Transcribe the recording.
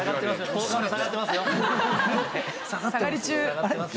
下がり中。